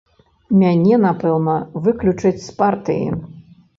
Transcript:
Мяне, напэўна, выключаць з партыі.